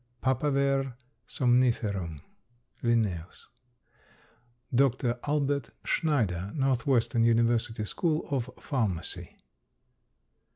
(Papaver somniferum L.) DR. ALBERT SCHNEIDER, Northwestern University School of Pharmacy.